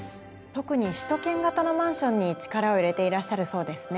特に首都圏型のマンションに力を入れていらっしゃるそうですね？